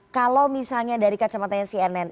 kalau misalnya dari kacamata yang cnn